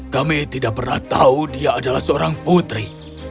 kami tidak pernah tahu dia adalah seorang putri